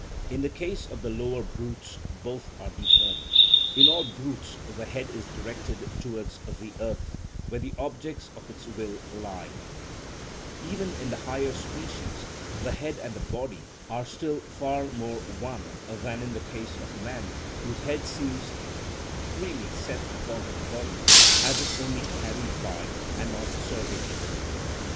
In the case of the lower brutes both are deformed: in all brutes the head is directed towards the earth, where the objects of its will lie; even in the higher species the head and the body are still far more one than in the case of man, whose head seems freely set upon his body, as if only carried by and not serving it.